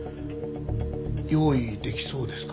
用意できそうですか？